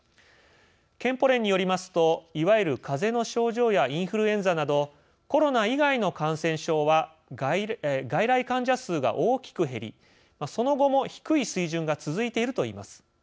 健保連によりますといわゆる「風邪」の症状やインフルエンザなどコロナ以外の感染症は外来患者数が大きく減りその後も低い水準が続いているといいます。